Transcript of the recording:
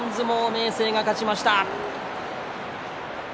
明生が勝ちました。